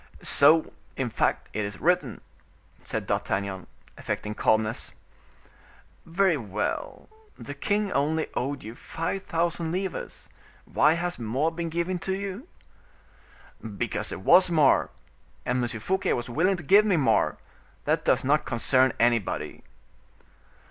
'" "So, in fact, it is written," said D'Artagnan, affecting calmness. "Very well; the king only owed you five thousand livres; why has more been given to you?" "Because there was more; and M. Fouquet was willing to give me more; that does not concern anybody."